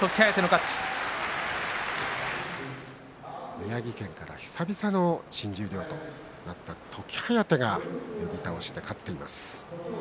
宮城県から久々の新十両となった時疾風が寄り倒しで勝っています。